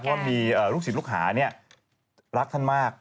เพราะว่ามีลูกศิษย์ลูกหานี่รักท่านมาก